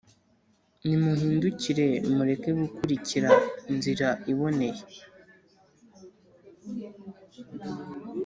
Nimuhindukire, mureke gukurikira inzira iboneye,